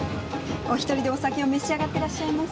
お１人でお酒を召し上がっていらっしゃいます。